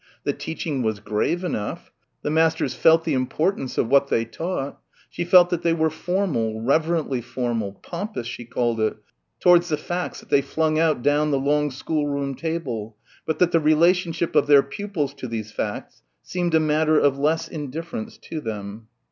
The teaching was grave enough. The masters felt the importance of what they taught ... she felt that they were formal, reverently formal, "pompous" she called it, towards the facts that they flung out down the long schoolroom table, but that the relationship of their pupils to these facts seemed a matter of less than indifference to them.